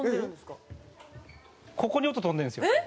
ここに音飛んでるんですよ。